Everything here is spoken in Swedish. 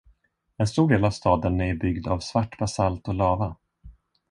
En stor del av staden är byggd av svart basalt och lava.